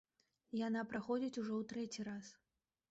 Яна праходзіць ужо ў трэці раз.